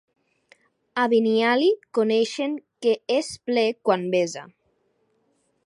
A Biniali coneixen que és ple quan vessa.